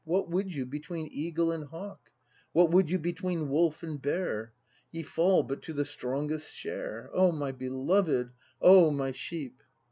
What would you between eagle and hawk? What would you between wolf and bear? Ye fall but to the strongest's share. O my beloved! O my sheep!